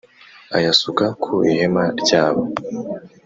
ayasuka ku ihema rya bo